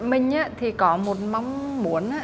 mình thì có một mong muốn